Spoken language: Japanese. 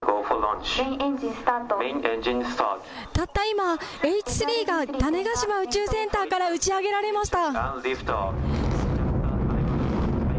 たった今、Ｈ３が種子島宇宙センターから打ち上げられました。